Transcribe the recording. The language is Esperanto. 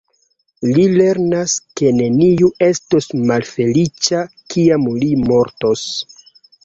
Li lernas ke neniu estos malfeliĉa kiam li mortos.